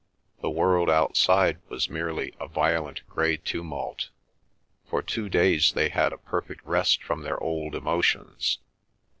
The world outside was merely a violent grey tumult. For two days they had a perfect rest from their old emotions.